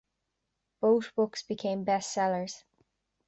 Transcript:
Both books became best sellers.